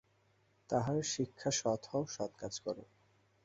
তাঁহার শিক্ষা সৎ হও, সৎ কাজ কর।